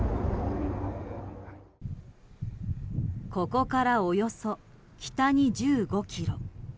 ここからおよそ北に１５ｋｍ。